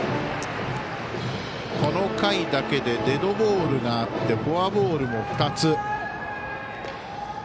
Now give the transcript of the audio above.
この回だけでデッドボールがあってフォアボールも２つ。